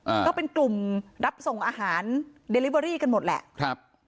อ่าก็เป็นกลุ่มรับส่งอาหารเดลิเวอรี่กันหมดแหละครับ